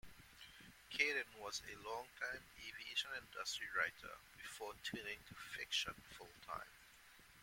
Caidin was a long-time aviation industry writer before turning to fiction full-time.